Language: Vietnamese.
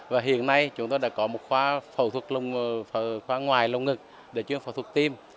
và hiện nay chúng ta đã có một khoa phẫu thuật lông ngực để chuyển phẫu thuật tiêm